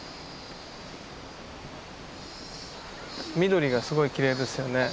緑がすごいきれいですよね